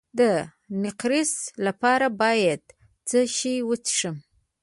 د نقرس لپاره باید څه شی وڅښم؟